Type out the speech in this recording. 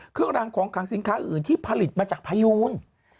เครื่องรางของขังสินค้าอื่นที่ผลิตมาจากพยูน